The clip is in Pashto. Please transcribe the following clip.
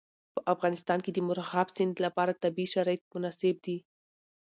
په افغانستان کې د مورغاب سیند لپاره طبیعي شرایط مناسب دي.